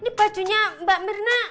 ini bajunya mbak mirna